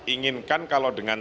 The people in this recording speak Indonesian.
inginkan kalau dengan